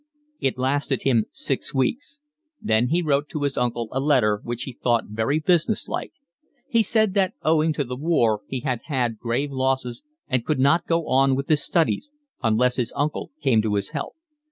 It lasted him six weeks; then he wrote to his uncle a letter which he thought very business like; he said that owing to the war he had had grave losses and could not go on with his studies unless his uncle came to his help.